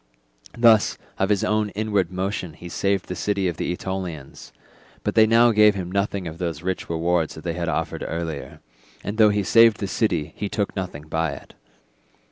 Thus of his own inward motion he saved the city of the Aetolians; but they now gave him nothing of those rich rewards that they had offered earlier, and though he saved the city he took nothing by it.